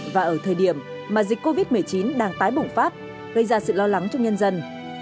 và ở thời điểm mà dịch covid một mươi chín đang tái bùng phát gây ra sự lo lắng cho nhân dân